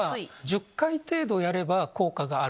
１０回程度やれば効果がある。